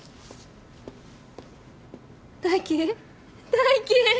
大輝大輝！